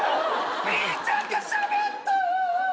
ピーちゃんがしゃべった！